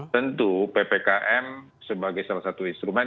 tentu ppkm sebagai salah satu instrumen